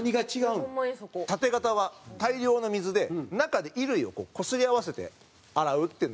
タテ型は大量の水で中で衣類をこすり合わせて洗うっていうのが。